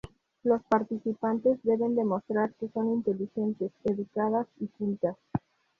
Las participantes deben demostrar que son inteligentes, educadas y cultas.